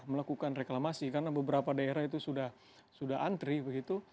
melakukan reklamasi karena beberapa daerah itu sudah antri begitu